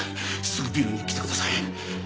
すぐビルに来てください。